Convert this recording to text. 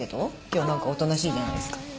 今日は何かおとなしいじゃないですか。